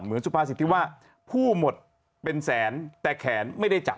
เหมือนซุภาศิษฐ์ที่ว่าผู้หมดเป็นแสนแต่แขนไม่ได้จับ